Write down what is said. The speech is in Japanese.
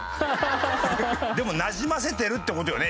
でもなじませてるって事よね